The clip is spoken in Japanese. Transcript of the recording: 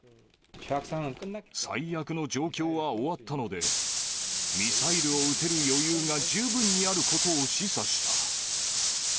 最悪の状況は終わったので、ミサイルを撃てる余裕が十分にあることを示唆した。